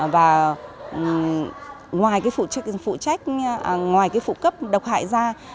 và ngoài cái phụ trách ngoài cái phụ cấp độc hại da